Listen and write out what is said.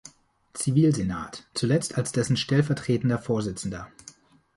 Zivilsenat, zuletzt als dessen stellvertretender Vorsitzender.